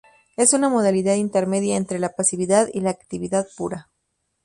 Es una modalidad intermedia entre la pasividad y la actividad puras.